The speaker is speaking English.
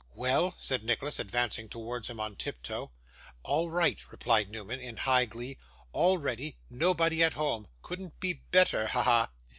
'Well?' said Nicholas, advancing towards him on tiptoe. 'All right,' replied Newman, in high glee. 'All ready; nobody at home. Couldn't be better. Ha! ha!